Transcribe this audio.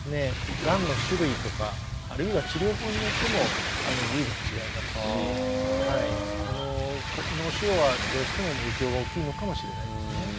がんの種類とかあるいは治療法によっても随分違いますし脳腫瘍はどうしても影響が大きいのかもしれないですね。